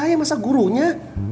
saya masa gurunya